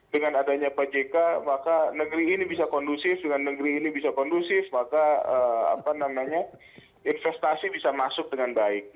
dengan adanya pak jk maka negeri ini bisa kondusif dengan negeri ini bisa kondusif maka investasi bisa masuk dengan baik